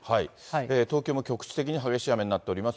東京も局地的に激しい雨になっております。